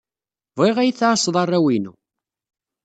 Bɣiɣ ad iyi-tɛassed arraw-inu.